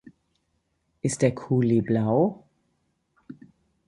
Ist der Kuli blau?